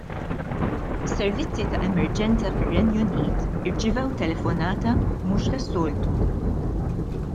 Is-servizzi ta' emerġenza fir-Renju Unit irċivew telefonata mhux tas-soltu.